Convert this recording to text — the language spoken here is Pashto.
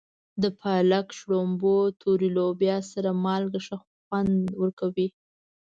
د پالک، شړومبو، تورې لوبیا سره مالګه ښه خوند ورکوي.